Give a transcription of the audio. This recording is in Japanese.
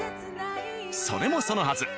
それもそのはず。